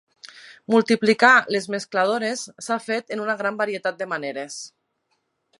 Multiplicar les mescladores s'ha fet en una gran varietat de maneres.